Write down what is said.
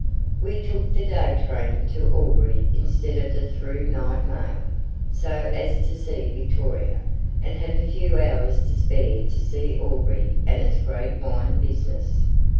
We took the day train to Albury instead of the through night mail, so as to see Victoria, and have a few hours to spare to see Albury and its great wine business.